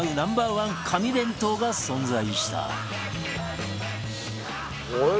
１神弁当が存在した